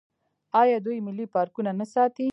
آیا دوی ملي پارکونه نه ساتي؟